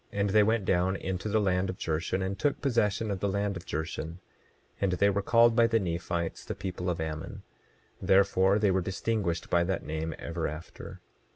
And they went down into the land of Jershon, and took possession of the land of Jershon; and they were called by the Nephites the people of Ammon; therefore they were distinguished by that name ever after.